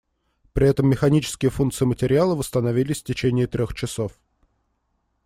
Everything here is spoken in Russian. При этом механические функции материала восстановились в течение трёх часов.